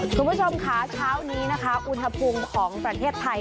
คุณผู้ชมค่ะเช้านี้นะคะอุณหภูมิของประเทศไทย